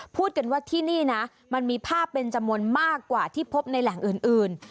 พูดกันว่าที่นี่นะมันมีภาพเป็นจำนวนมากกว่าที่พบในแหล่งอื่น